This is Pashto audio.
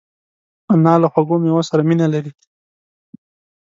انا له خوږو مېوو سره مینه لري